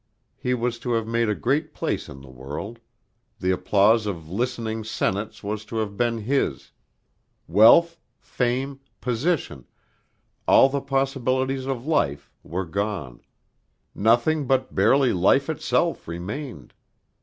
He was to have made a great place in the world: the applause of listening senates was to have been his; wealth, fame, position, all the possibilities of life were gone; nothing but barely life itself remained.